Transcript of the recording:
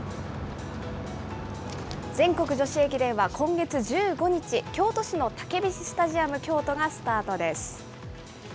全国女子駅伝は今月１５日、京都市のたけびしスタジアム京都がスタートです。